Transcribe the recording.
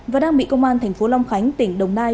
và đang bị công an tp long khánh tỉnh đồng nai